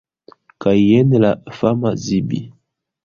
Kaj jen la fama Zibi!